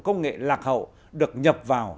công nghệ lạc hậu được nhập vào